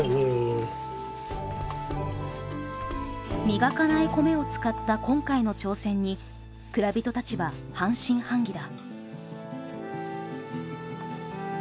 磨かない米を使った今回の挑戦に蔵人たちは半信半疑だ。